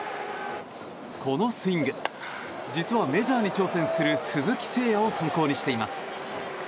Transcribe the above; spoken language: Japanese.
このスイング実はメジャーに挑戦する鈴木誠也を参考にしています。